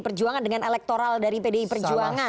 perjuangan dengan elektoral dari pdi perjuangan